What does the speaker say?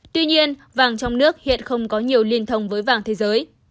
tuy nhiên vàng trong nước hiện không có nhiều liên thông với vàng thế giới